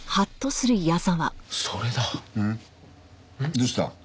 どうした？